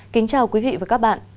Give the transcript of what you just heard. kính chào quý vị và các bạn